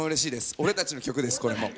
俺たちの曲です、これも！